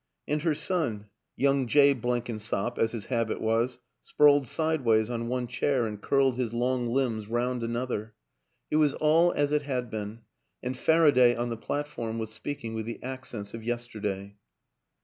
And her son, young Jay Blenkinsop, as his habit was, sprawled sideways on one chair and curled his long limbs 218 WILLIAM AN ENGLISHMAN round another. It was all as it had been; and Faraday, on the platform, was speaking with the accents of yesterday.